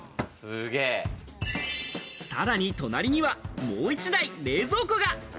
さらに隣にはもう１台、冷蔵庫が。